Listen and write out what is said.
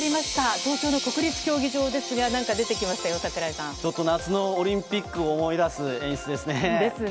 東京の国立競技場ですが、なんかちょっと夏のオリンピックをですね。